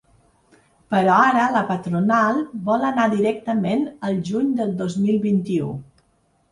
Però ara la patronal vol anar directament al juny del dos mil vint-i-u.